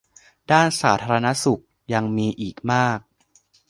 ด้านสาธารณสุขยังมีอีกมาก